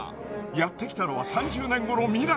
やってきたのは３０年後の未来。